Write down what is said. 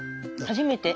初めて？